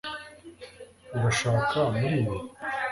Urashaka muri ibi